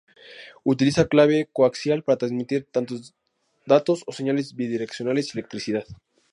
Utiliza cable coaxial para transmitir tanto datos o señales bidireccionales y electricidad.